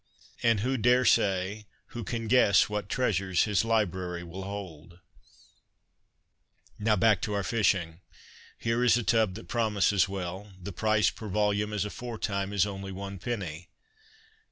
And who dare say, who can guess, what treasures his library will hold ? Now back to our fishing. Here is a tub that promises well ; the price per volume, as aforetime, is only one penny.